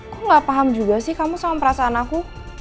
aku gak paham juga sih kamu sama perasaan aku